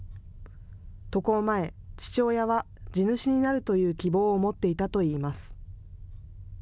渡航前、父親は地主になるという希望を持っていたといいます。